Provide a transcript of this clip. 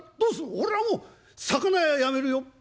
「俺はもう魚屋やめるよ」。